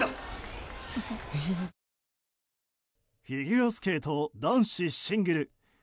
フィギュアスケート男子シングル。